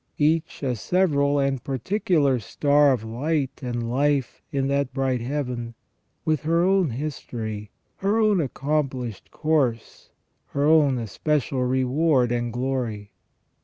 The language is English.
Each a several and particular star of light and life in that bright Heaven, with her own history, her own accom plished course, her own especial reward and glory.